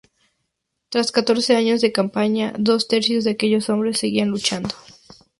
Tras catorce años de campaña, dos tercios de aquellos hombres seguían luchando.